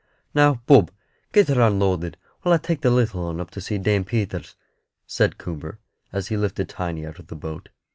"Now, Bob, get her unloaded, while I take the little 'un up to see Dame Peters," said Coomber, as he lifted Tiny out of the boat.